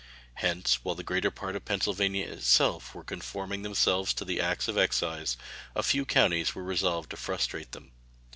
Hence, while the greater part of Pennsylvania itself were conforming themselves to the acts of excise, a few counties were resolved to frustrate them.